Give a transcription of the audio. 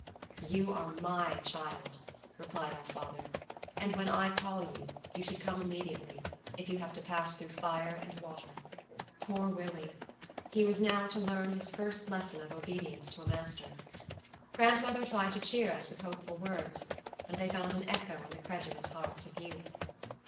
"You are my child," replied our father, "and when I call you, you should come immediately, if you have to pass through fire and water." Poor Willie! He was now to learn his first lesson of obedience to a master. Grandmother tried to cheer us with hopeful words, and they found an echo in the credulous hearts of youth.